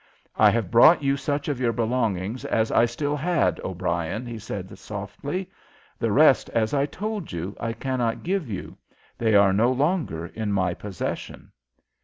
"I have brought you such of your belongings as I still had, O'Brien," he said, softly. "The rest, as I told you, I cannot give you. They are no longer in my possession."